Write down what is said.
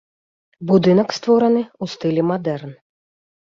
Будынак створаны ў стылі мадэрн.